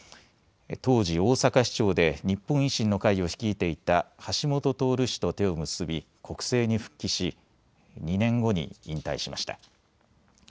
当時、大阪市長で日本維新の会を率いていた橋下徹氏と手を結び国政に復帰し２年後に引退しました。